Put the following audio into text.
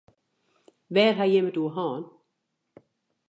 Wêr ha jim it oer hân?